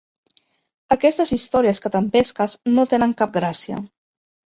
Aquestes històries que t'empesques no tenen cap gràcia.